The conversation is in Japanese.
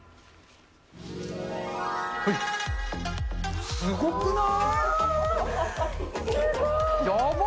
はい、すごくない？